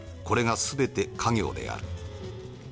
これが全て稼業である。